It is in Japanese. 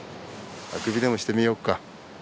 あくびでもしてみようか。